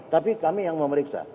tapi kami yang memeriksa